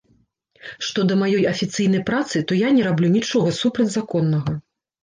Што да маёй афіцыйнай працы, то я не раблю нічога супрацьзаконнага!